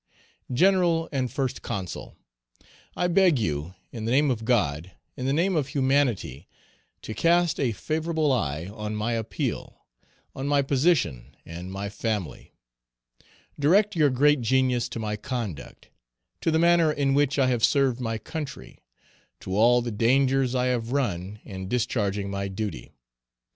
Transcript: "GENERAL, AND FIRST CONSUL, "I beg you, in the name of God, in the name of humanity, to cast a favorable eye on my appeal, on my position, and my family; direct your great genius to my conduct, to the manner in which I have served my country, to all the dangers I have run in discharging my duty.